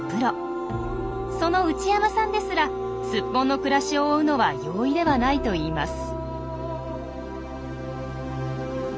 その内山さんですらスッポンの暮らしを追うのは容易ではないといいます。